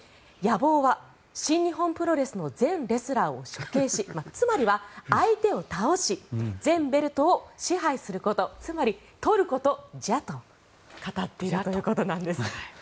野望は新日本プロレスの全レスラーを処刑しつまりは相手を倒し全ベルトを支配することつまり取ることじゃと語っているということなんです。